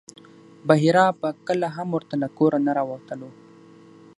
بحیرا به کله هم ورته له کوره نه راوتلو.